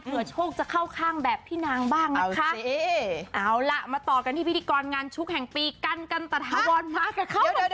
โชคจะเข้าข้างแบบพี่นางบ้างนะคะเอาล่ะมาต่อกันที่พิธีกรงานชุกแห่งปีกันกันตะถาวรมากับเขา